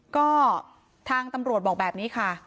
ก็ทางตำรวจบอกแบบนี้ค่ะ